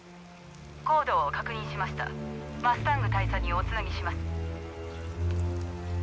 ☎コードを確認しましたマスタング大佐におつなぎします